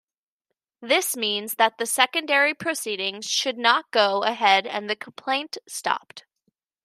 This means that the secondary proceedings should not go ahead and the complaint stopped.